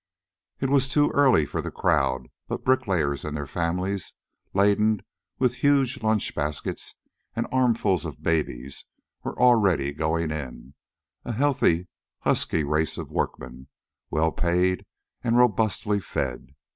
It was too early for the crowd, but bricklayers and their families, laden with huge lunch baskets and armfuls of babies, were already going in a healthy, husky race of workmen, well paid and robustly fed.